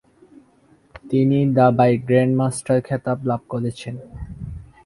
তিনি দাবায় গ্র্যান্ডমাস্টার খেতাব লাভ করেছেন।